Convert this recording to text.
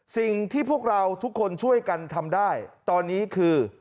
สิ่งที่พวกเราทุกคนช่วยกันทำได้ตอนนี้คือ